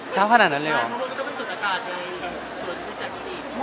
เช้าขนาดนั้นเลยหรอ